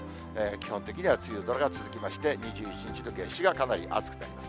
基本的には梅雨空が続きまして、２１日の夏至がかなり暑くなります。